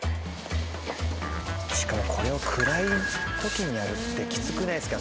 しかもこれを暗い時にやるってきつくないですか？